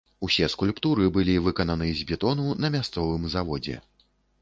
Усе скульптуры былі выкананы з бетону на мясцовым заводзе.